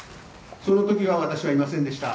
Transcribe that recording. そのときは私はいませんでした。